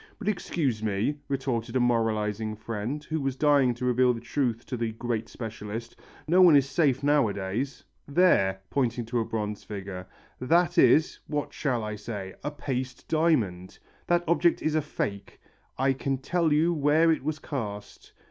"But excuse me," retorted a moralizing friend who was dying to reveal the truth to the "great specialist," "no one is safe nowadays. There," pointing to a bronze figure, "that is, what shall I say? a paste diamond! That object is a fake. I can tell you where it was cast.